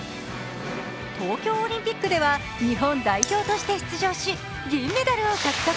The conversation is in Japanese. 東京オリンピックでは日本代表として出場し、銀メダルを獲得。